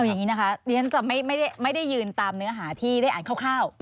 อย่างนี้นะคะดิฉันจะไม่ได้ยืนตามเนื้อหาที่ได้อ่านคร่าว